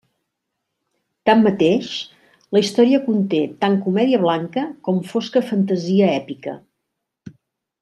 Tanmateix, la història conté tant comèdia blanca com fosca fantasia èpica.